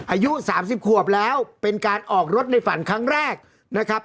อายุ๓๐ขวบแล้วเป็นการออกรถในฝันครั้งแรกนะครับ